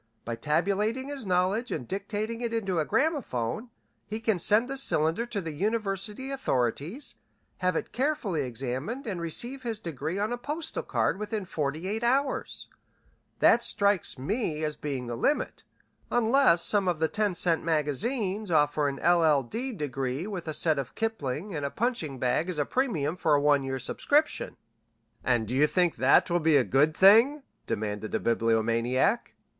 By tabulating his knowledge and dictating it into a gramophone he can send the cylinder to the university authorities, have it carefully examined, and receive his degree on a postal card within forty eight hours. That strikes me as being the limit, unless some of the ten cent magazines offer an LL. D. degree with a set of Kipling and a punching bag as a premium for a one year's subscription." "And you think that will be a good thing?" demanded the Bibliomaniac.